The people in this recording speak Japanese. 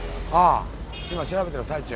今調べてる最中。